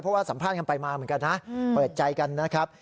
เพราะว่าสัมภาษณ์กันไปมาเหมือนกันนะเปิดใจกันนะครับ